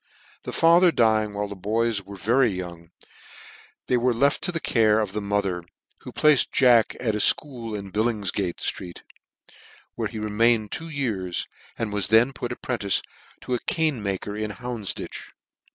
The father dying while the boys were very young they were left to the care of the mother, who placed Jack at a fchool in Bimopfgare fbreer, where he remained two years, and was then put apprentice to a cane chairmaker in Houndfditch.